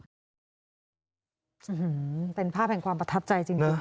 โอ้โหเป็นภาพแห่งความประทับใจจริง